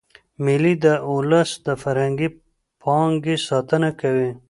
مېلې د اولس د فرهنګي پانګي ساتنه کوي.